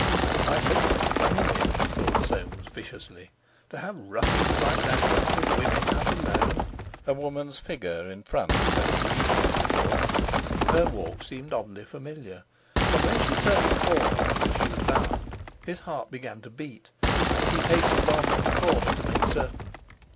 "I hope they'll run him in," thought Soames viciously. "To have ruffians like that about, with women out alone!" A woman's figure in front had induced this thought. Her walk seemed oddly familiar, and when she turned the corner for which he was bound, his heart began to beat. He hastened on to the corner to make certain.